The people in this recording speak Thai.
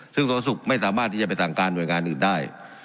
เรื่องสาธุศูกร์ไม่สามารถที่จะไปสั่งการบริงานอื่นได้